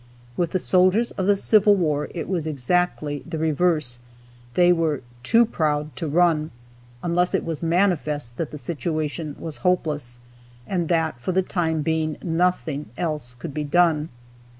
With the soldiers of the Civil War it was exactly the reverse, they were "too proud to run"; unless it was manifest that the situation was hopeless, and that for the time being nothing else could be done.